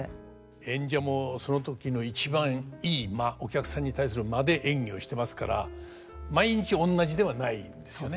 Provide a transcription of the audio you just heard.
演者もその時の一番良い間お客さんに対する間で演技をしてますから毎日おんなじではないんですよね。